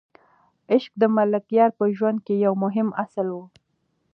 عشق د ملکیار په ژوند کې یو مهم اصل و.